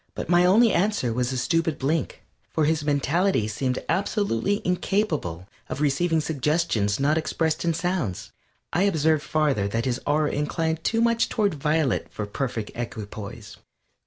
But my only answer was a stupid blink, for his mentality seemed absolutely incapable of receiving suggestions not expressed in sounds. I observed farther that his aura inclined too much toward violet for perfect equipoise.